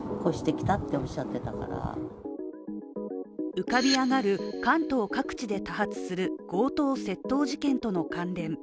浮かび上がる関東各地で多発する強盗・窃盗事件との関連。